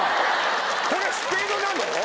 これスペードなの？